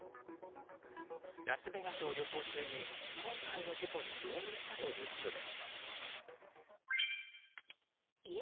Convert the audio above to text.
ラスベガスを旅行中に今回の事故に遭遇したということです。